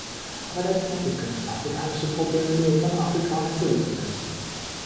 Aber letztendlich können afrikanische Probleme nur von Afrikanern gelöst werden.